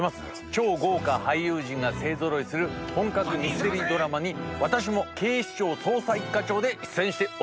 超豪華俳優陣が勢ぞろいする本格ミステリードラマに私も警視庁捜査一課長で出演しております。